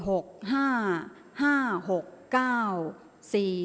ออกรางวัลที่๖